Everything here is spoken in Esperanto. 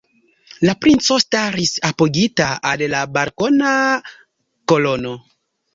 La princo staris apogita al la balkona kolono.